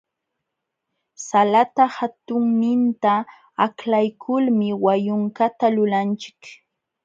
Salata hatunninta aklaykulmi wayunkata lulanchik.